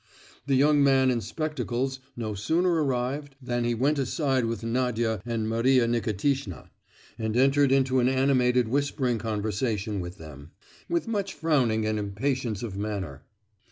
The young man in spectacles no sooner arrived than he went aside with Nadia and Maria Nikitishna, and entered into an animated whispering conversation with them, with much frowning and impatience of manner.